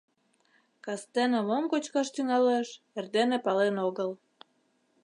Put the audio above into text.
Кастене мом кочкаш тӱҥалеш, эрдене пален огыл.